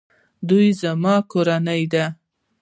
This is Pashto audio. دوی زما کورنۍ ده